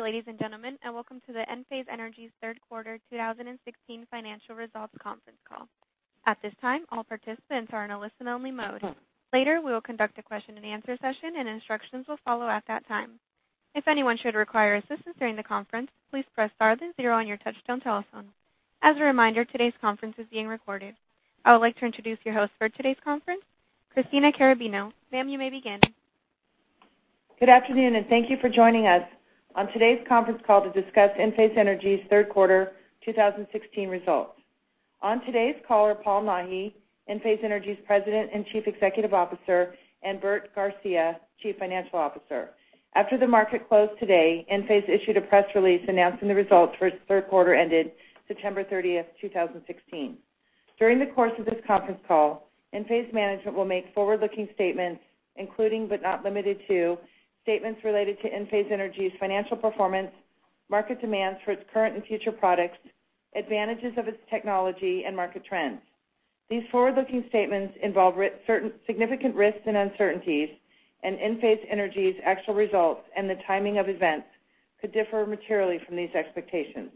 Good day, ladies and gentlemen, welcome to the Enphase Energy's third quarter 2016 financial results conference call. At this time, all participants are in a listen-only mode. Later, we will conduct a question-and-answer session, and instructions will follow at that time. If anyone should require assistance during the conference, please press star then zero on your touchtone telephone. As a reminder, today's conference is being recorded. I would like to introduce your host for today's conference, Christina Carrabino. Ma'am, you may begin. Good afternoon, thank you for joining us on today's conference call to discuss Enphase Energy's third quarter 2016 results. On today's call are Paul Nahi, Enphase Energy's President and Chief Executive Officer, and Bert Garcia, Chief Financial Officer. After the market closed today, Enphase issued a press release announcing the results for its third quarter ended September 30th, 2016. During the course of this conference call, Enphase management will make forward-looking statements, including, but not limited to, statements related to Enphase Energy's financial performance, market demands for its current and future products, advantages of its technology, and market trends. These forward-looking statements involve significant risks and uncertainties, Enphase Energy's actual results and the timing of events could differ materially from these expectations.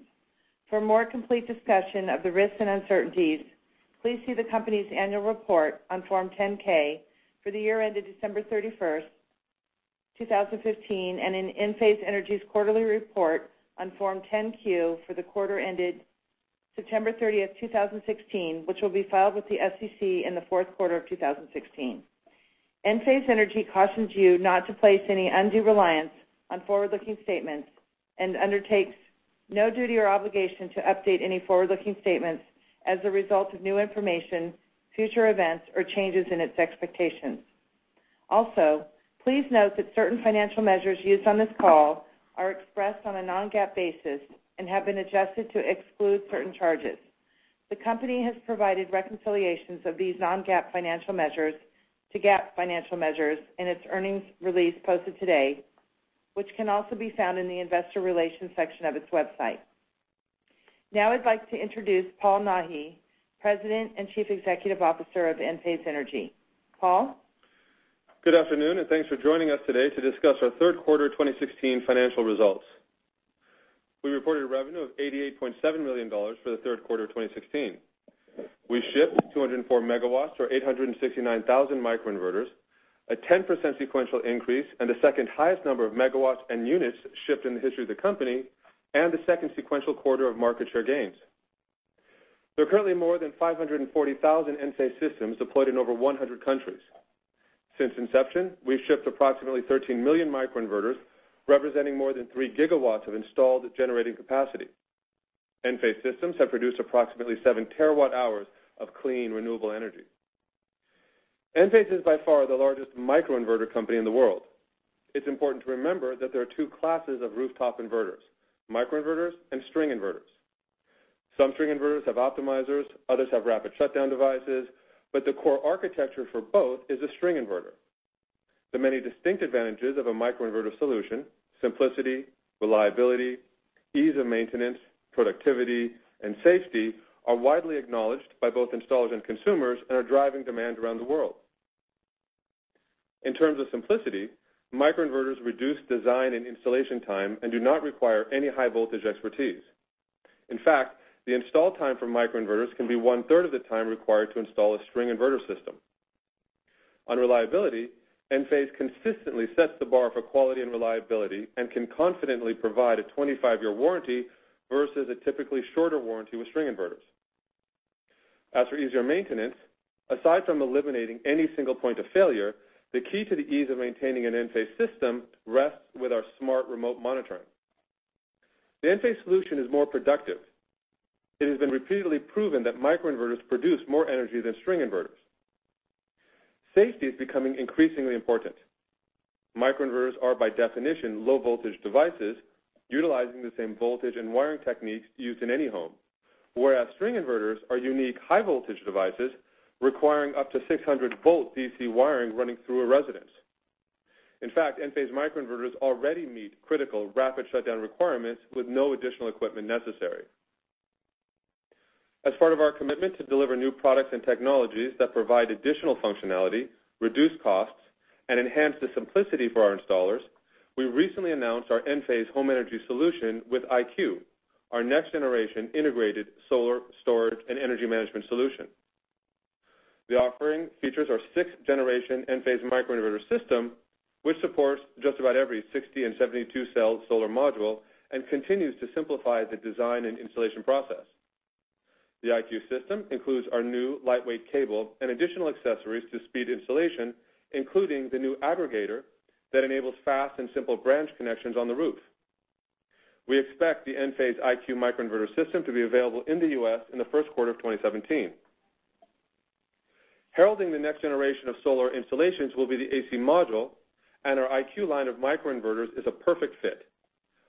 For a more complete discussion of the risks and uncertainties, please see the company's annual report on Form 10-K for the year ended December 31st, 2015, and in Enphase Energy's quarterly report on Form 10-Q for the quarter ended September 30th, 2016, which will be filed with the SEC in the fourth quarter of 2016. Enphase Energy cautions you not to place any undue reliance on forward-looking statements and undertakes no duty or obligation to update any forward-looking statements as a result of new information, future events, or changes in its expectations. Also, please note that certain financial measures used on this call are expressed on a non-GAAP basis and have been adjusted to exclude certain charges. The company has provided reconciliations of these non-GAAP financial measures to GAAP financial measures in its earnings release posted today, which can also be found in the investor relations section of its website. Now I'd like to introduce Paul Nahi, President and Chief Executive Officer of Enphase Energy. Paul? Good afternoon. Thanks for joining us today to discuss our third quarter 2016 financial results. We reported revenue of $88.7 million for the third quarter of 2016. We shipped 204 megawatts or 869,000 microinverters, a 10% sequential increase and the second-highest number of megawatts and units shipped in the history of the company, and the second sequential quarter of market share gains. There are currently more than 540,000 Enphase systems deployed in over 100 countries. Since inception, we've shipped approximately 13 million microinverters, representing more than 3 gigawatts of installed generating capacity. Enphase systems have produced approximately 7 terawatt-hours of clean, renewable energy. Enphase is by far the largest microinverter company in the world. It's important to remember that there are two classes of rooftop inverters: microinverters and string inverters. Some string inverters have optimizers, others have rapid shutdown devices. The core architecture for both is a string inverter. The many distinct advantages of a microinverter solution, simplicity, reliability, ease of maintenance, productivity, and safety are widely acknowledged by both installers and consumers and are driving demand around the world. In terms of simplicity, microinverters reduce design and installation time and do not require any high-voltage expertise. In fact, the install time for microinverters can be one-third of the time required to install a string inverter system. On reliability, Enphase consistently sets the bar for quality and reliability and can confidently provide a 25-year warranty versus a typically shorter warranty with string inverters. As for easier maintenance, aside from eliminating any single point of failure, the key to the ease of maintaining an Enphase system rests with our smart remote monitoring. The Enphase solution is more productive. It has been repeatedly proven that microinverters produce more energy than string inverters. Safety is becoming increasingly important. Microinverters are, by definition, low-voltage devices utilizing the same voltage and wiring techniques used in any home. Whereas string inverters are unique high-voltage devices requiring up to 600 volt DC wiring running through a residence. In fact, Enphase microinverters already meet critical rapid shutdown requirements with no additional equipment necessary. As part of our commitment to deliver new products and technologies that provide additional functionality, reduce costs, and enhance the simplicity for our installers, we recently announced our Enphase Home Energy Solution with IQ, our next-generation integrated solar storage and energy management solution. The offering features our sixth-generation Enphase microinverter system, which supports just about every 60 and 72-cell solar module and continues to simplify the design and installation process. The IQ system includes our new lightweight cable and additional accessories to speed installation, including the new aggregator that enables fast and simple branch connections on the roof. We expect the Enphase IQ Microinverter System to be available in the U.S. in the first quarter of 2017. Heralding the next generation of solar installations will be the AC module. Our IQ line of microinverters is a perfect fit.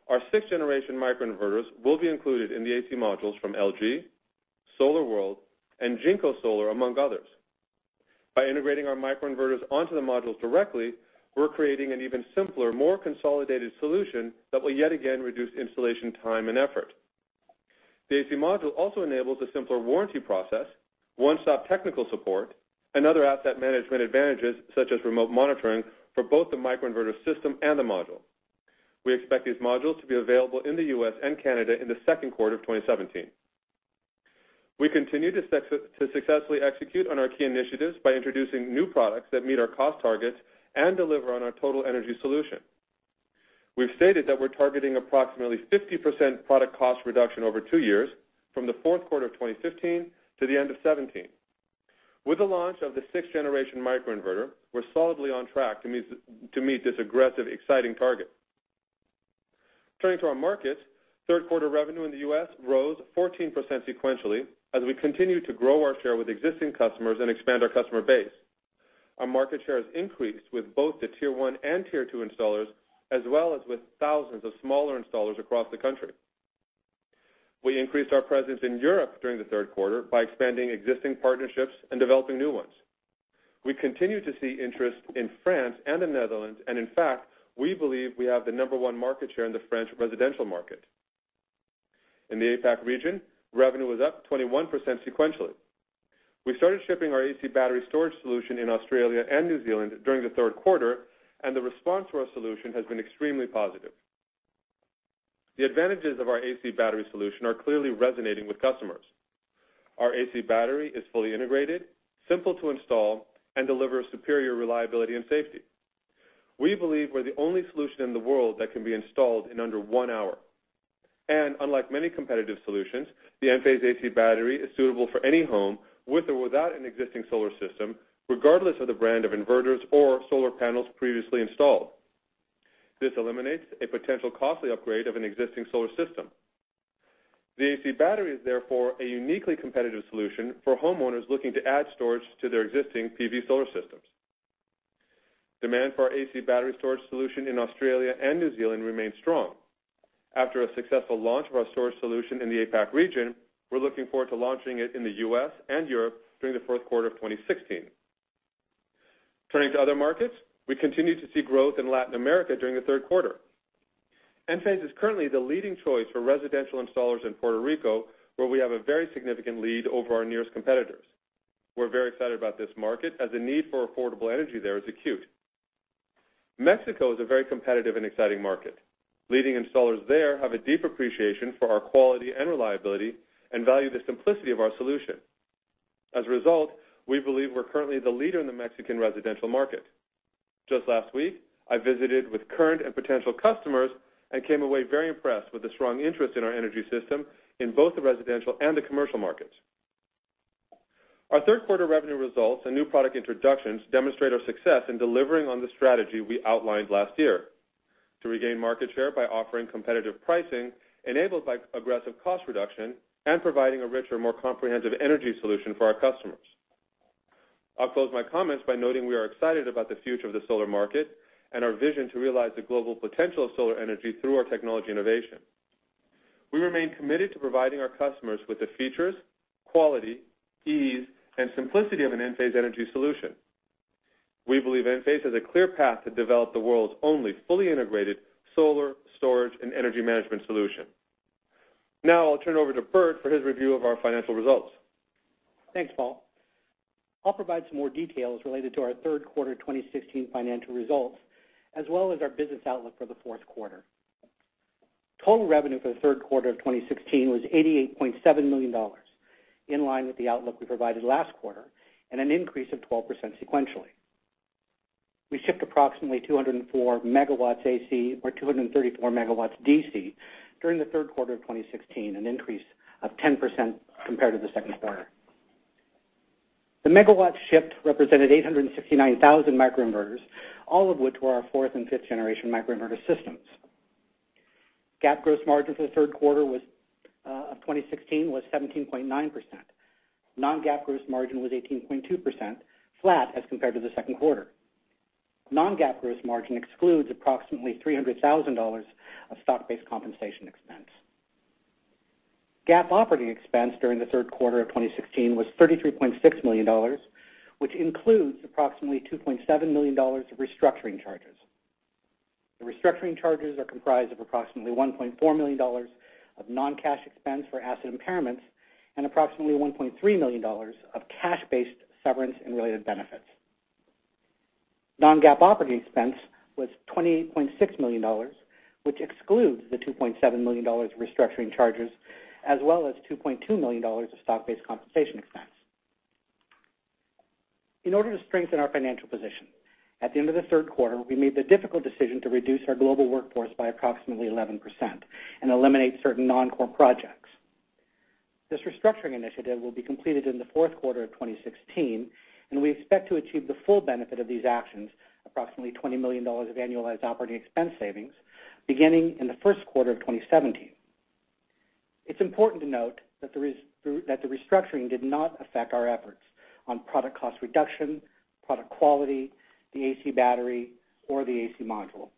Our sixth-generation microinverters will be included in the AC modules from LG, SolarWorld, and JinkoSolar, among others. By integrating our microinverters onto the modules directly, we're creating an even simpler, more consolidated solution that will yet again reduce installation time and effort. The AC module also enables a simpler warranty process, one-stop technical support, and other asset management advantages such as remote monitoring for both the microinverter system and the module. We expect these modules to be available in the U.S. and Canada in the second quarter of 2017. We continue to successfully execute on our key initiatives by introducing new products that meet our cost targets and deliver on our total energy solution. We've stated that we're targeting approximately 50% product cost reduction over two years from the fourth quarter of 2015 to the end of 2017. With the launch of the sixth-generation microinverter, we're solidly on track to meet this aggressive, exciting target. Turning to our markets, third quarter revenue in the U.S. rose 14% sequentially as we continue to grow our share with existing customers and expand our customer base. Our market share has increased with both the tier 1 and tier 2 installers, as well as with thousands of smaller installers across the country. We increased our presence in Europe during the third quarter by expanding existing partnerships and developing new ones. We continue to see interest in France and the Netherlands. In fact, we believe we have the number 1 market share in the French residential market. In the APAC region, revenue was up 21% sequentially. We started shipping our AC Battery storage solution in Australia and New Zealand during the third quarter, and the response to our solution has been extremely positive. The advantages of our AC Battery solution are clearly resonating with customers. Our AC Battery is fully integrated, simple to install, and delivers superior reliability and safety. We believe we're the only solution in the world that can be installed in under one hour. Unlike many competitive solutions, the Enphase AC Battery is suitable for any home with or without an existing solar system, regardless of the brand of inverters or solar panels previously installed. This eliminates a potential costly upgrade of an existing solar system. The AC Battery is therefore a uniquely competitive solution for homeowners looking to add storage to their existing PV solar systems. Demand for our AC Battery storage solution in Australia and New Zealand remains strong. After a successful launch of our storage solution in the APAC region, we're looking forward to launching it in the U.S. and Europe during the fourth quarter of 2016. Turning to other markets, we continued to see growth in Latin America during the third quarter. Enphase is currently the leading choice for residential installers in Puerto Rico, where we have a very significant lead over our nearest competitors. We're very excited about this market as the need for affordable energy there is acute. Mexico is a very competitive and exciting market. Leading installers there have a deep appreciation for our quality and reliability and value the simplicity of our solution. As a result, we believe we're currently the leader in the Mexican residential market. Just last week, I visited with current and potential customers and came away very impressed with the strong interest in our energy system in both the residential and the commercial markets. Our third quarter revenue results and new product introductions demonstrate our success in delivering on the strategy we outlined last year to regain market share by offering competitive pricing enabled by aggressive cost reduction and providing a richer, more comprehensive energy solution for our customers. I'll close my comments by noting we are excited about the future of the solar market and our vision to realize the global potential of solar energy through our technology innovation. We remain committed to providing our customers with the features, quality, ease, and simplicity of an Enphase Energy solution. We believe Enphase has a clear path to develop the world's only fully integrated solar, storage, and energy management solution. Now I'll turn it over to Bert for his review of our financial results. Thanks, Paul. I'll provide some more details related to our third quarter 2016 financial results, as well as our business outlook for the fourth quarter. Total revenue for the third quarter of 2016 was $88.7 million, in line with the outlook we provided last quarter and an increase of 12% sequentially. We shipped approximately 204 MW AC or 234 MW DC during the third quarter of 2016, an increase of 10% compared to the second quarter. The megawatts shipped represented 869,000 microinverters, all of which were our fourth and fifth-generation microinverter systems. GAAP gross margin for the third quarter of 2016 was 17.9%. Non-GAAP gross margin was 18.2%, flat as compared to the second quarter. Non-GAAP gross margin excludes approximately $300,000 of stock-based compensation expense. GAAP operating expense during the third quarter of 2016 was $33.6 million, which includes approximately $2.7 million of restructuring charges. The restructuring charges are comprised of approximately $1.4 million of non-cash expense for asset impairments and approximately $1.3 million of cash-based severance and related benefits. Non-GAAP operating expense was $28.6 million, which excludes the $2.7 million restructuring charges, as well as $2.2 million of stock-based compensation expense. In order to strengthen our financial position, at the end of the third quarter, we made the difficult decision to reduce our global workforce by approximately 11% and eliminate certain non-core projects. This restructuring initiative will be completed in the fourth quarter of 2016, and we expect to achieve the full benefit of these actions, approximately $20 million of annualized operating expense savings, beginning in the first quarter of 2017. It's important to note that the restructuring did not affect our efforts on product cost reduction, product quality, the AC Battery, or the AC module.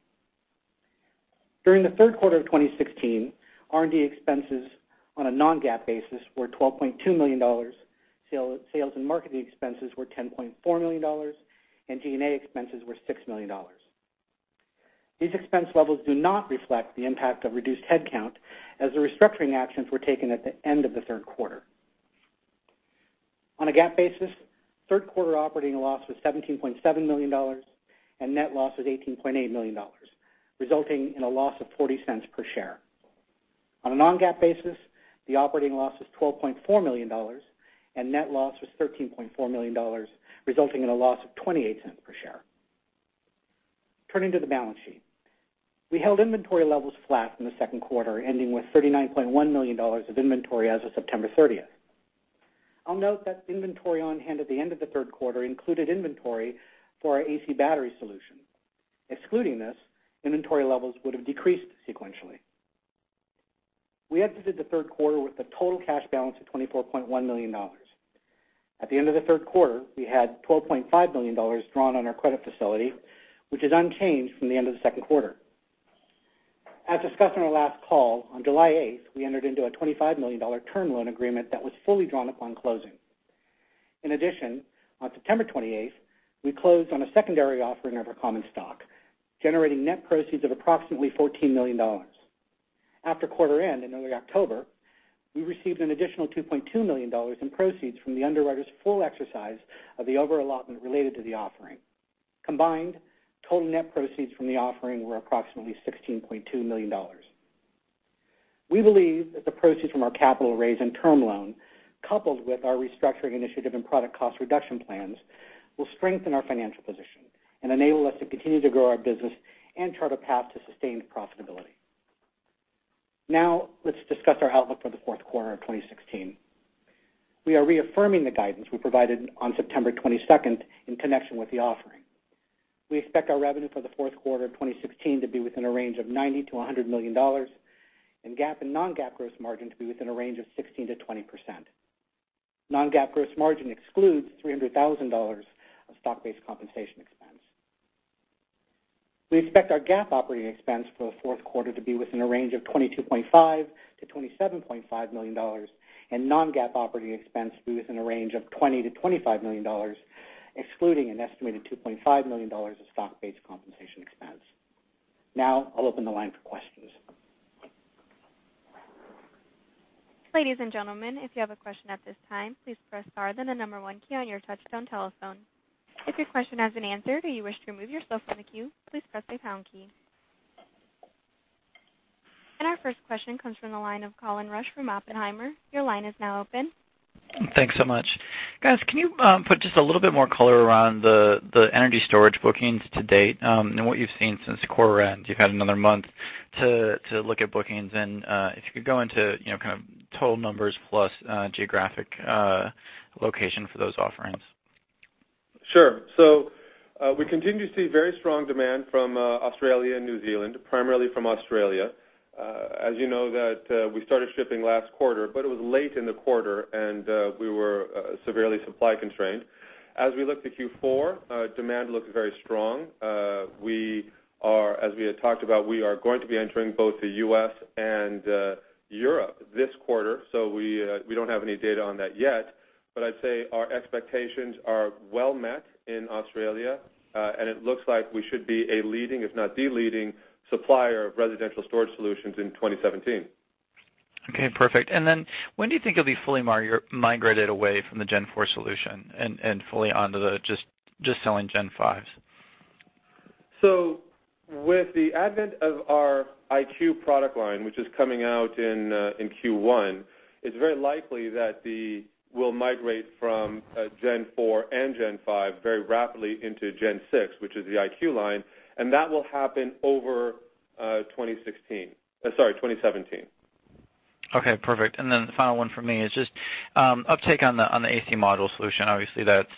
During the third quarter of 2016, R&D expenses on a non-GAAP basis were $12.2 million, sales and marketing expenses were $10.4 million, and G&A expenses were $6 million. These expense levels do not reflect the impact of reduced headcount as the restructuring actions were taken at the end of the third quarter. On a GAAP basis, third quarter operating loss was $17.7 million and net loss was $18.8 million, resulting in a loss of $0.40 per share. On a non-GAAP basis, the operating loss was $12.4 million and net loss was $13.4 million, resulting in a loss of $0.28 per share. Turning to the balance sheet. We held inventory levels flat in the second quarter, ending with $39.1 million of inventory as of September 30th. I'll note that inventory on hand at the end of the third quarter included inventory for our AC Battery solution. Excluding this, inventory levels would have decreased sequentially. We exited the third quarter with a total cash balance of $24.1 million. At the end of the third quarter, we had $12.5 million drawn on our credit facility, which is unchanged from the end of the second quarter. As discussed on our last call, on July 8th, we entered into a $25 million term loan agreement that was fully drawn upon closing. In addition, on September 28th, we closed on a secondary offering of our common stock, generating net proceeds of approximately $14 million. After quarter end in early October, we received an additional $2.2 million in proceeds from the underwriter's full exercise of the over-allotment related to the offering. Combined, total net proceeds from the offering were approximately $16.2 million. We believe that the proceeds from our capital raise and term loan, coupled with our restructuring initiative and product cost reduction plans, will strengthen our financial position and enable us to continue to grow our business and chart a path to sustained profitability. Now, let's discuss our outlook for the fourth quarter of 2016. We are reaffirming the guidance we provided on September 22nd in connection with the offering. We expect our revenue for the fourth quarter 2016 to be within a range of $90 million-$100 million, and GAAP and non-GAAP gross margin to be within a range of 16%-20%. Non-GAAP gross margin excludes $300,000 of stock-based compensation expense. We expect our GAAP operating expense for the fourth quarter to be within a range of $22.5 million-$27.5 million and non-GAAP operating expense to be within a range of $20 million-$25 million, excluding an estimated $2.5 million of stock-based compensation expense. Now, I'll open the line for questions. Ladies and gentlemen, if you have a question at this time, please press star then the number one key on your touchtone telephone. If your question has been answered or you wish to remove yourself from the queue, please press the pound key. Our first question comes from the line of Colin Rusch from Oppenheimer. Your line is now open. Thanks so much. Guys, can you put just a little bit more color around the energy storage bookings to date and what you've seen since quarter end? You've had another month to look at bookings, if you could go into total numbers plus geographic location for those offerings. Sure. We continue to see very strong demand from Australia and New Zealand, primarily from Australia. As you know that we started shipping last quarter, it was late in the quarter, and we were severely supply-constrained. As we look to Q4, demand looks very strong. As we had talked about, we are going to be entering both the U.S. and Europe this quarter, we don't have any data on that yet. I'd say our expectations are well met in Australia, it looks like we should be a leading, if not the leading, supplier of residential storage solutions in 2017. Okay, perfect. When do you think you'll be fully migrated away from the Gen 4 solution and fully onto just selling Gen 5s? With the advent of our IQ product line, which is coming out in Q1, it's very likely that we'll migrate from Gen 4 and Gen 5 very rapidly into Gen 6, which is the IQ line, that will happen over 2016. Sorry, 2017. Okay, perfect. The final one from me is just uptake on the AC module solution. Obviously, that's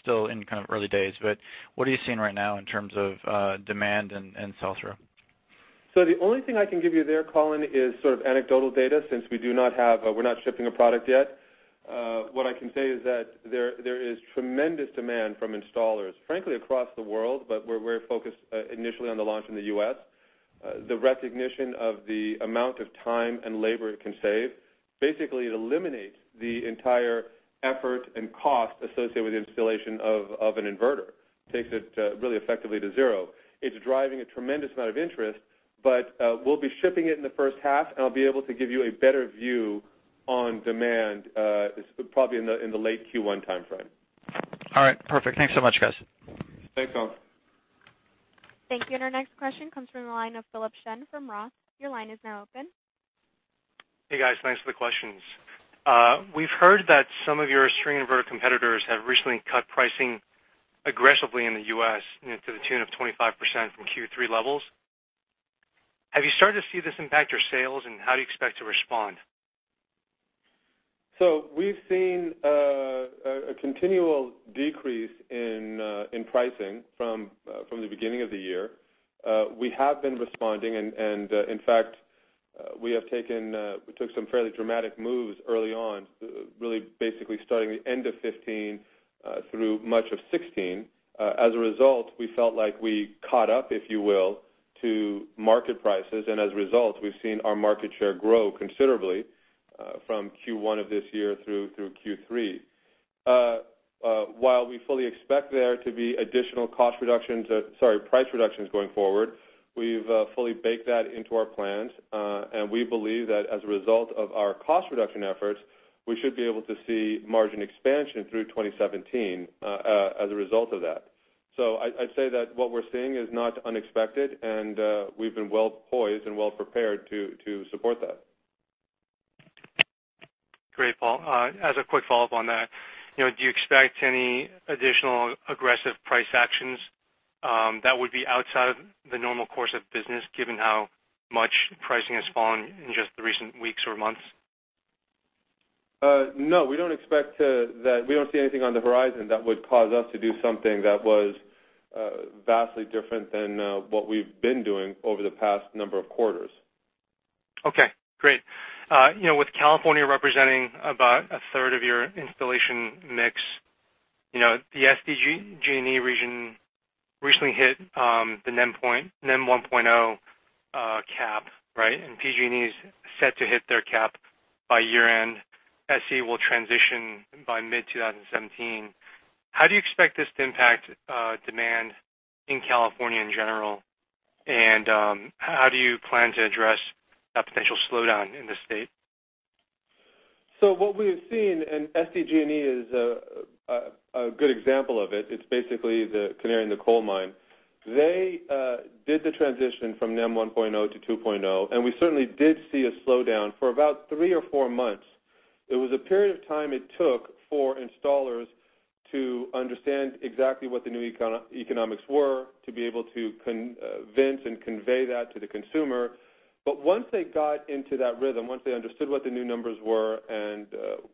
still in early days, but what are you seeing right now in terms of demand and sell-through? The only thing I can give you there, Colin, is sort of anecdotal data, since we're not shipping a product yet. What I can say is that there is tremendous demand from installers, frankly, across the world, but we're very focused initially on the launch in the U.S. The recognition of the amount of time and labor it can save basically eliminates the entire effort and cost associated with the installation of an inverter. Takes it really effectively to zero. It's driving a tremendous amount of interest, but we'll be shipping it in the first half, and I'll be able to give you a better view on demand probably in the late Q1 timeframe. All right, perfect. Thanks so much, guys. Thanks, Colin. Thank you. Our next question comes from the line of Philip Shen from ROTH. Your line is now open. Hey, guys. Thanks for the questions. We've heard that some of your string inverter competitors have recently cut pricing aggressively in the U.S. to the tune of 25% from Q3 levels. Have you started to see this impact your sales, and how do you expect to respond? We've seen a continual decrease in pricing from the beginning of the year. We have been responding, and in fact, we took some fairly dramatic moves early on, really basically starting the end of 2015 through much of 2016. As a result, we felt like we caught up, if you will, to market prices, and as a result, we've seen our market share grow considerably from Q1 of this year through Q3. While we fully expect there to be additional price reductions going forward, we've fully baked that into our plans. We believe that as a result of our cost reduction efforts, we should be able to see margin expansion through 2017 as a result of that. I'd say that what we're seeing is not unexpected, and we've been well-poised and well-prepared to support that. Great, Paul. As a quick follow-up on that, do you expect any additional aggressive price actions that would be outside of the normal course of business, given how much pricing has fallen in just the recent weeks or months? No, we don't see anything on the horizon that would cause us to do something that was vastly different than what we've been doing over the past number of quarters. Okay, great. With California representing about a third of your installation mix, the SDG&E region recently hit the NEM 1.0 cap, right? PG&E is set to hit their cap by year-end. SCE will transition by mid-2017. How do you expect this to impact demand in California in general, and how do you plan to address a potential slowdown in the state? What we have seen, and SDG&E is a good example of it's basically the canary in the coal mine. They did the transition from NEM 1.0 to 2.0, and we certainly did see a slowdown for about three or four months. It was a period of time it took for installers to understand exactly what the new economics were, to be able to convince and convey that to the consumer. Once they got into that rhythm, once they understood what the new numbers were and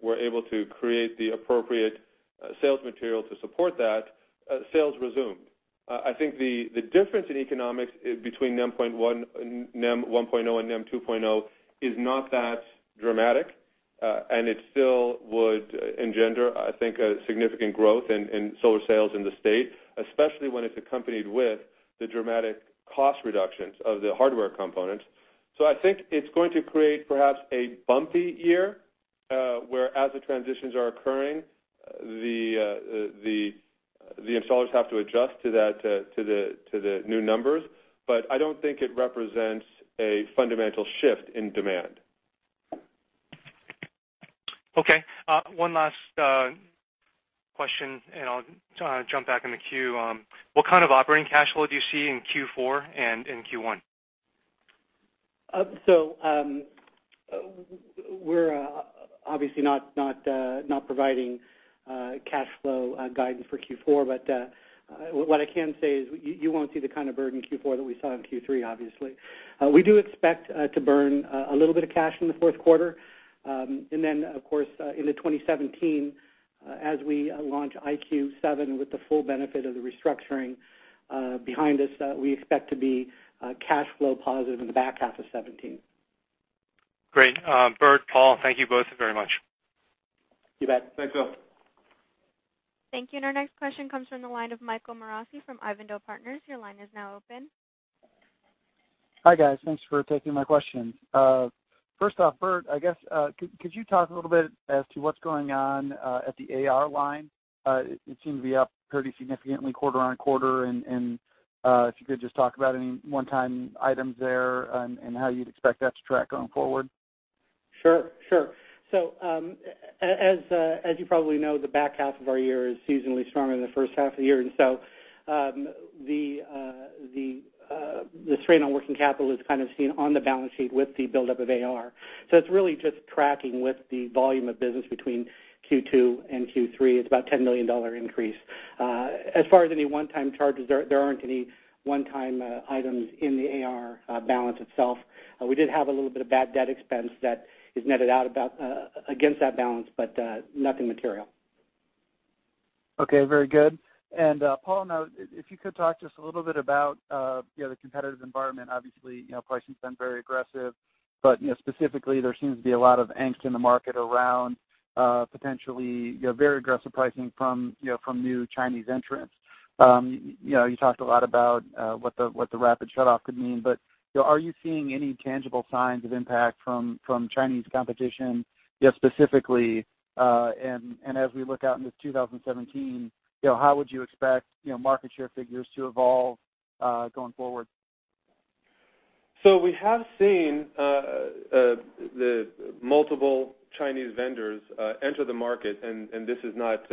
were able to create the appropriate sales material to support that, sales resumed. I think the difference in economics between NEM 1.0 and NEM 2.0 is not that dramatic, and it still would engender, I think, a significant growth in solar sales in the state, especially when it's accompanied with the dramatic cost reductions of the hardware components. I think it's going to create perhaps a bumpy year, where as the transitions are occurring the installers have to adjust to the new numbers, but I don't think it represents a fundamental shift in demand. Okay. One last question, and I'll jump back in the queue. What kind of operating cash flow do you see in Q4 and in Q1? We're obviously not providing cash flow guidance for Q4, but what I can say is you won't see the kind of burden in Q4 that we saw in Q3, obviously. We do expect to burn a little bit of cash in the fourth quarter. Then, of course, into 2017, as we launch IQ 7 with the full benefit of the restructuring behind us, we expect to be cash flow positive in the back half of 2017. Great. Bert, Paul, thank you both very much. You bet. Thanks, Phil. Thank you. Our next question comes from the line of Michael Morosi from Avondale Partners. Your line is now open. Hi, guys. Thanks for taking my questions. First off, Bert, I guess, could you talk a little bit as to what's going on at the AR line? It seemed to be up pretty significantly quarter-on-quarter, and if you could just talk about any one-time items there and how you'd expect that to track going forward. As you probably know, the back half of our year is seasonally stronger than the first half of the year, the strain on working capital is kind of seen on the balance sheet with the buildup of AR. It's really just tracking with the volume of business between Q2 and Q3. It's about $10 million increase. As far as any one-time charges, there aren't any one-time items in the AR balance itself. We did have a little bit of bad debt expense that is netted out against that balance, but nothing material. Okay, very good. Paul, now, if you could talk to us a little bit about the competitive environment. Obviously, pricing's been very aggressive, specifically, there seems to be a lot of angst in the market around potentially very aggressive pricing from new Chinese entrants. You talked a lot about what the rapid shutdown could mean, are you seeing any tangible signs of impact from Chinese competition specifically? As we look out into 2017, how would you expect market share figures to evolve going forward? We have seen the multiple Chinese vendors enter the market, this is not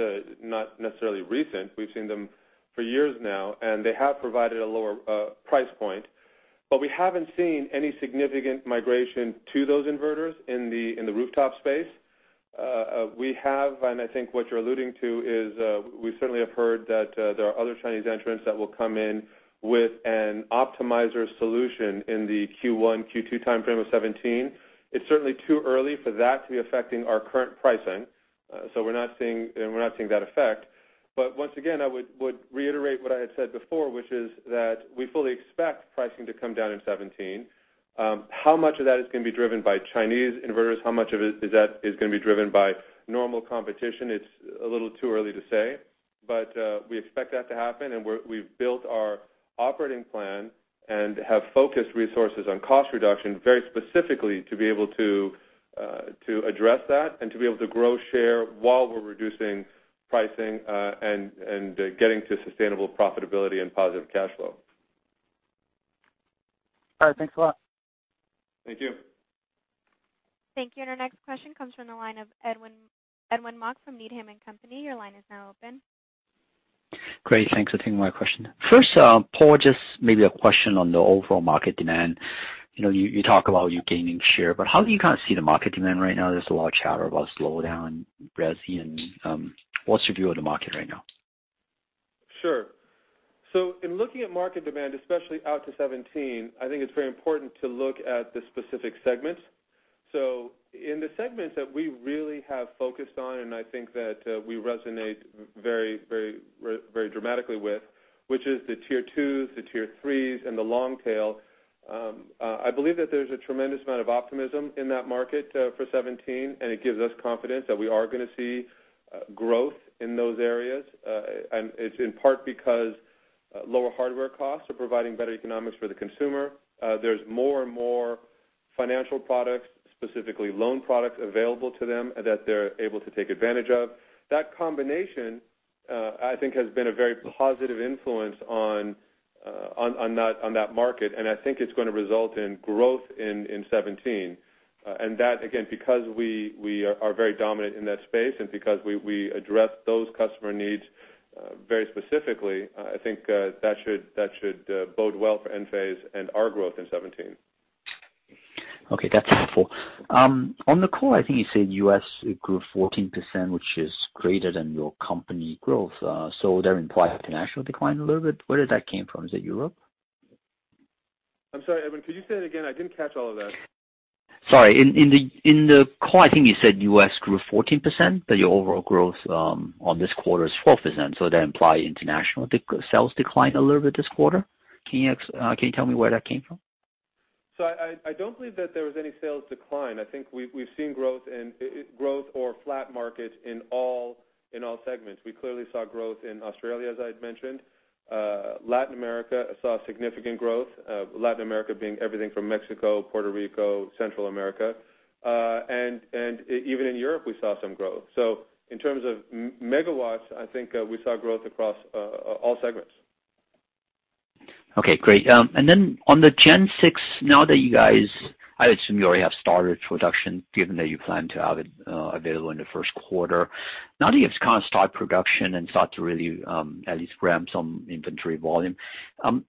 necessarily recent. We've seen them for years now, they have provided a lower price point. We haven't seen any significant migration to those inverters in the rooftop space. We have, I think what you're alluding to is, we certainly have heard that there are other Chinese entrants that will come in with an optimizer solution in the Q1, Q2 timeframe of 2017. It's certainly too early for that to be affecting our current pricing. We're not seeing that effect. Once again, I would reiterate what I had said before, which is that we fully expect pricing to come down in 2017. How much of that is going to be driven by Chinese inverters, how much of that is going to be driven by normal competition, it's a little too early to say. We expect that to happen, and we've built our operating plan and have focused resources on cost reduction very specifically to be able to address that and to be able to grow share while we're reducing pricing and getting to sustainable profitability and positive cash flow. All right. Thanks a lot. Thank you. Thank you. Our next question comes from the line of Edwin Mok from Needham & Company. Your line is now open. Great. Thanks for taking my question. First, Paul, just maybe a question on the overall market demand. You talk about you gaining share, but how do you kind of see the market demand right now? There's a lot of chatter about slowdown, resi, and what's your view of the market right now? Sure. In looking at market demand, especially out to 2017, I think it's very important to look at the specific segments. In the segments that we really have focused on, and I think that we resonate very dramatically with, which is the tier 2s, the tier 3s, and the long tail. I believe that there's a tremendous amount of optimism in that market for 2017, and it gives us confidence that we are going to see growth in those areas. It's in part because lower hardware costs are providing better economics for the consumer. There's more and more financial products, specifically loan products, available to them that they're able to take advantage of. That combination, I think, has been a very positive influence on that market, and I think it's going to result in growth in 2017. That, again, because we are very dominant in that space and because we address those customer needs very specifically, I think that should bode well for Enphase and our growth in 2017. Okay, that's helpful. On the call, I think you said U.S. grew 14%, which is greater than your company growth. That implies international declined a little bit. Where did that come from? Is it Europe? I'm sorry, Edwin, could you say that again? I didn't catch all of that. Sorry. In the call, I think you said U.S. grew 14%, your overall growth on this quarter is 4%. That implies international sales declined a little bit this quarter. Can you tell me where that came from? I don't believe that there was any sales decline. I think we've seen growth or flat markets in all segments. We clearly saw growth in Australia, as I had mentioned. Latin America saw significant growth. Latin America being everything from Mexico, Puerto Rico, Central America. Even in Europe, we saw some growth. In terms of megawatts, I think we saw growth across all segments. Okay, great. On the Gen 6, now that you guys, I would assume you already have started production given that you plan to have it available in the first quarter. Now that you've kind of started production and start to really at least ramp some inventory volume,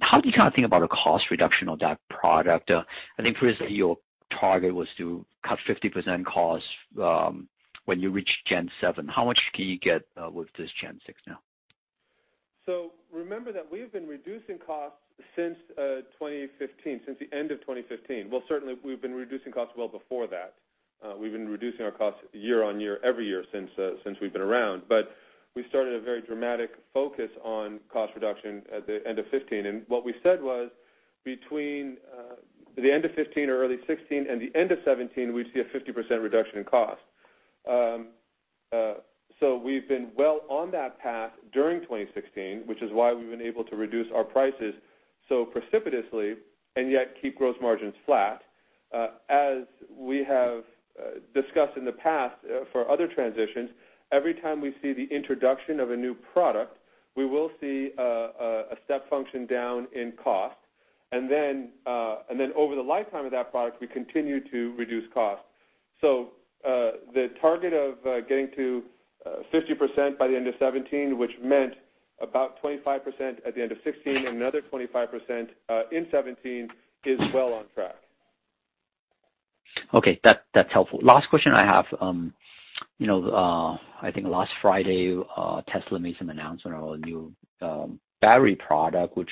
how do you kind of think about a cost reduction of that product? I think previously your target was to cut 50% cost when you reach Gen 7. How much can you get with this Gen 6 now? Remember that we've been reducing costs since 2015. Since the end of 2015. Well, certainly we've been reducing costs well before that. We've been reducing our costs year-on-year every year since we've been around. We started a very dramatic focus on cost reduction at the end of 2015. What we said was between the end of 2015 or early 2016 and the end of 2017, we'd see a 50% reduction in cost. We've been well on that path during 2016, which is why we've been able to reduce our prices so precipitously and yet keep gross margins flat. As we have discussed in the past for other transitions, every time we see the introduction of a new product, we will see a step function down in cost. Over the lifetime of that product, we continue to reduce costs. The target of getting to 50% by the end of 2017, which meant about 25% at the end of 2016 and another 25% in 2017, is well on track. Okay. That's helpful. Last question I have. I think last Friday, Tesla made some announcement on a new battery product, which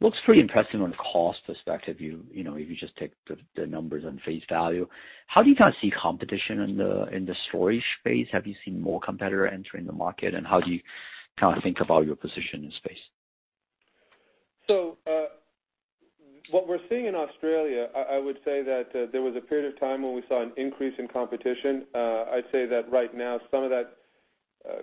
looks pretty impressive on the cost perspective if you just take the numbers on face value. How do you kind of see competition in the storage space? Have you seen more competitor entering the market, and how do you kind of think about your position in space? What we're seeing in Australia, I would say that there was a period of time when we saw an increase in competition. I'd say that right now some of that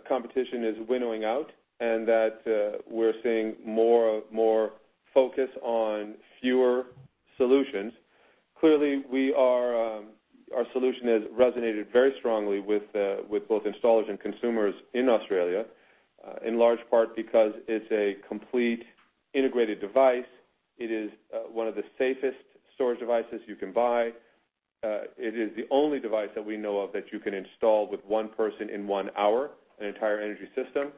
competition is winnowing out and that we're seeing more focus on fewer solutions. Clearly, our solution has resonated very strongly with both installers and consumers in Australia, in large part because it's a complete integrated device. It is one of the safest storage devices you can buy. It is the only device that we know of that you can install with one person in one hour, an entire energy system.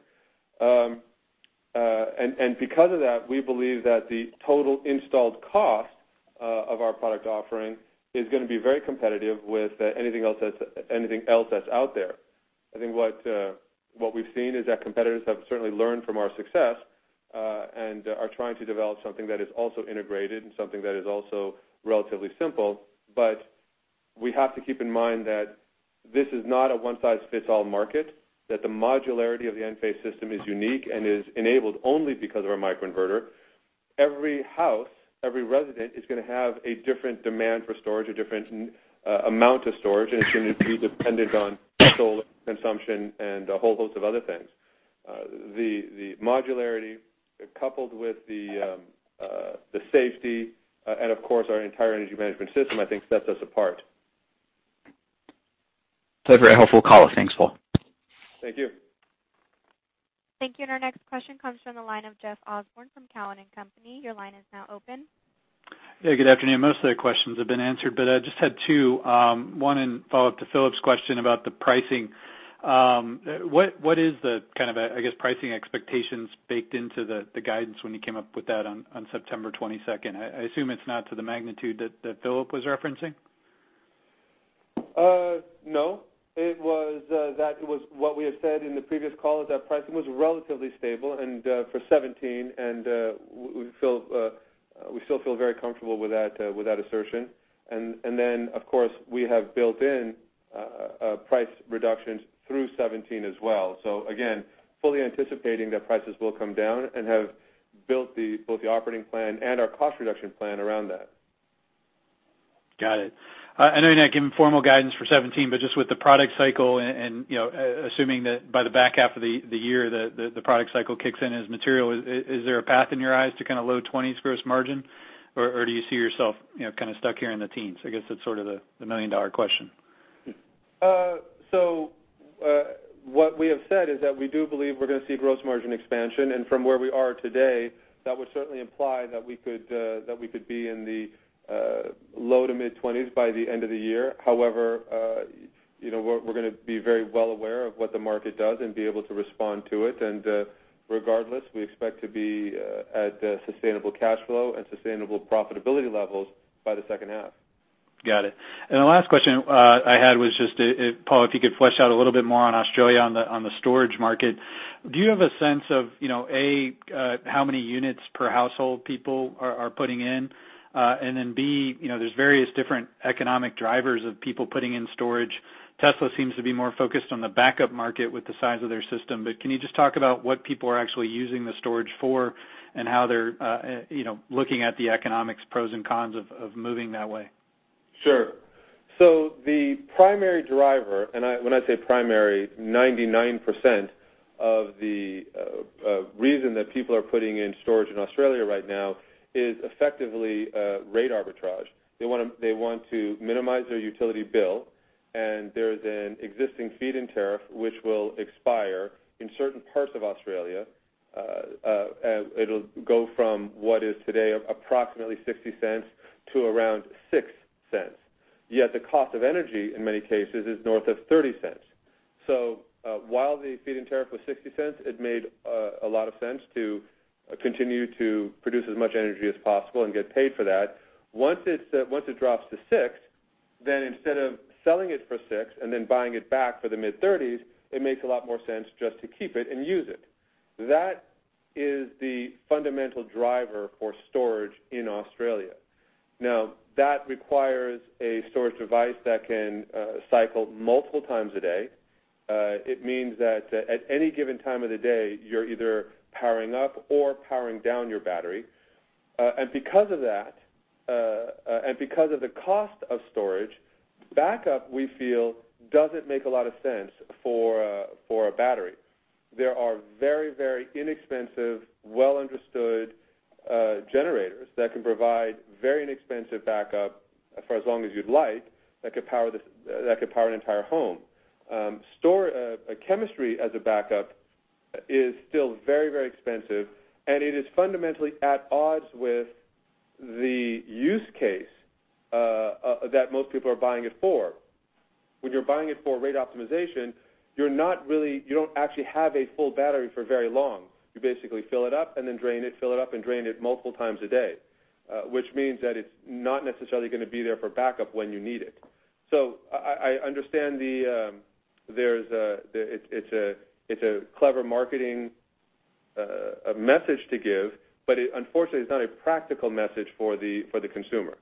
Because of that, we believe that the total installed cost of our product offering is going to be very competitive with anything else that's out there. I think what we've seen is that competitors have certainly learned from our success, and are trying to develop something that is also integrated and something that is also relatively simple. We have to keep in mind that this is not a one-size-fits-all market, that the modularity of the Enphase system is unique and is enabled only because of our microinverter. Every house, every resident is going to have a different demand for storage, a different amount of storage, and it's going to be dependent on solar consumption and a whole host of other things. The modularity, coupled with the safety, and of course, our entire energy management system, I think sets us apart. That's very helpful, Paul. Thanks, Paul. Thank you. Thank you. Our next question comes from the line of Jeff Osborne from Cowen and Company. Your line is now open. Yeah, good afternoon. Most of the questions have been answered, I just had two. One in follow-up to Philip's question about the pricing. What is the pricing expectations baked into the guidance when you came up with that on September 22nd? I assume it's not to the magnitude that Philip was referencing. No. It was what we had said in the previous call, is that pricing was relatively stable for 2017, and we still feel very comfortable with that assertion. Of course, we have built in price reductions through 2017 as well. Again, fully anticipating that prices will come down and have built both the operating plan and our cost reduction plan around that. Got it. I know you're not giving formal guidance for 2017, but just with the product cycle and assuming that by the back half of the year, the product cycle kicks in as material, is there a path in your eyes to low 20s gross margin? Or do you see yourself stuck here in the 10s? I guess that's sort of the million-dollar question. What we have said is that we do believe we're going to see gross margin expansion. From where we are today, that would certainly imply that we could be in the low to mid-20s by the end of the year. However, we're going to be very well aware of what the market does and be able to respond to it. Regardless, we expect to be at sustainable cash flow and sustainable profitability levels by the second half. Got it. The last question I had was just, Paul, if you could flesh out a little bit more on Australia on the storage market. Do you have a sense of, A, how many units per household people are putting in? B, there's various different economic drivers of people putting in storage. Tesla seems to be more focused on the backup market with the size of their system. Can you just talk about what people are actually using the storage for and how they're looking at the economics pros and cons of moving that way? Sure. The primary driver, and when I say primary, 99% of the reason that people are putting in storage in Australia right now is effectively rate arbitrage. They want to minimize their utility bill, and there's an existing feed-in tariff which will expire in certain parts of Australia. It'll go from what is today approximately $0.60 to around $0.06. Yet the cost of energy, in many cases, is north of $0.30. While the feed-in tariff was $0.60, it made a lot of sense to continue to produce as much energy as possible and get paid for that. Once it drops to $0.06, instead of selling it for $0.06 and then buying it back for the mid-$0.30s, it makes a lot more sense just to keep it and use it. That is the fundamental driver for storage in Australia. That requires a storage device that can cycle multiple times a day. It means that at any given time of the day, you're either powering up or powering down your battery. Because of that, and because of the cost of storage, backup, we feel, doesn't make a lot of sense for a battery. There are very inexpensive, well-understood generators that can provide very inexpensive backup for as long as you'd like that could power an entire home. Chemistry as a backup is still very expensive, and it is fundamentally at odds with the use case that most people are buying it for. When you're buying it for rate optimization, you don't actually have a full battery for very long. You basically fill it up and then drain it, fill it up and drain it multiple times a day. Which means that it's not necessarily going to be there for backup when you need it. I understand it's a clever marketing message to give, but unfortunately, it's not a practical message for the consumer.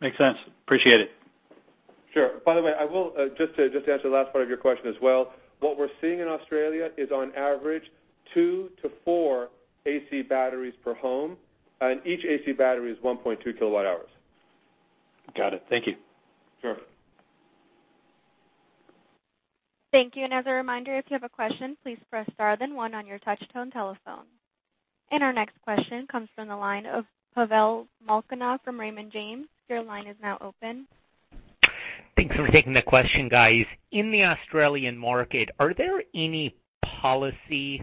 Makes sense. Appreciate it. Sure. By the way, just to answer the last part of your question as well, what we're seeing in Australia is on average two to four AC Batteries per home, and each AC Battery is 1.2 kilowatt hours. Got it. Thank you. Sure. Thank you. As a reminder, if you have a question, please press star then one on your touch-tone telephone. Our next question comes from the line of Pavel Molchanov from Raymond James. Your line is now open. Thanks for taking the question, guys. In the Australian market, are there any policy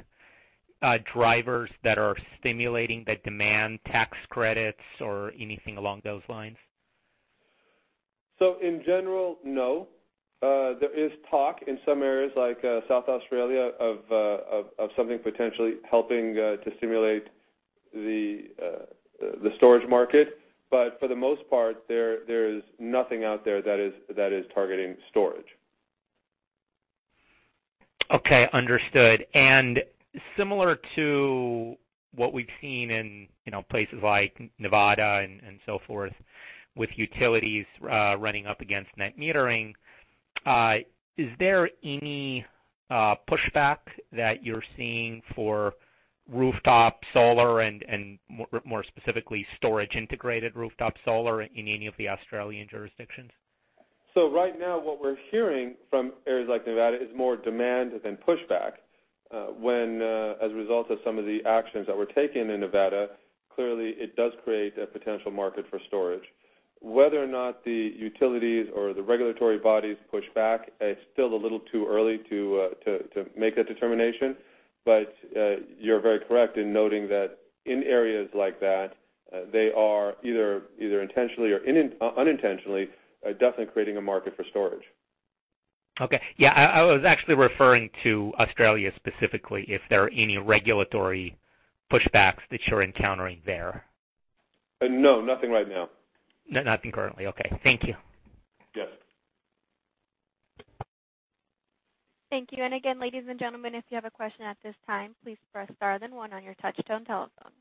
drivers that are stimulating the demand, tax credits or anything along those lines? In general, no. There is talk in some areas like South Australia of something potentially helping to stimulate the storage market. For the most part, there is nothing out there that is targeting storage. Okay, understood. Similar to what we've seen in places like Nevada and so forth with utilities running up against net metering, is there any pushback that you're seeing for rooftop solar and more specifically storage-integrated rooftop solar in any of the Australian jurisdictions? Right now what we're hearing from areas like Nevada is more demand than pushback. As a result of some of the actions that were taken in Nevada, clearly it does create a potential market for storage. Whether or not the utilities or the regulatory bodies push back, it's still a little too early to make that determination. You're very correct in noting that in areas like that, they are either intentionally or unintentionally definitely creating a market for storage. Okay. Yeah, I was actually referring to Australia specifically, if there are any regulatory pushbacks that you're encountering there. No, nothing right now. Nothing currently. Okay. Thank you. Yes. Thank you. Again, ladies and gentlemen, if you have a question at this time, please press star then one on your touch-tone telephone.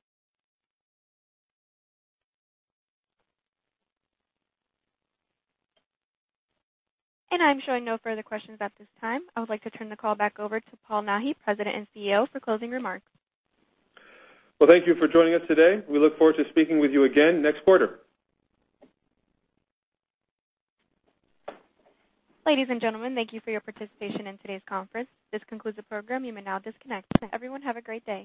I'm showing no further questions at this time. I would like to turn the call back over to Paul Nahi, President and CEO, for closing remarks. Well, thank you for joining us today. We look forward to speaking with you again next quarter. Ladies and gentlemen, thank you for your participation in today's conference. This concludes the program. You may now disconnect. Everyone, have a great day.